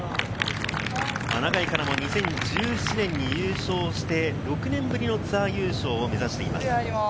永井花奈も２０１７年に優勝して、６年ぶりのツアー優勝を目指しています。